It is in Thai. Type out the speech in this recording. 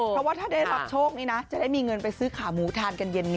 เพราะว่าถ้าได้รับโชคนี้นะจะได้มีเงินไปซื้อขาหมูทานกันเย็นนี้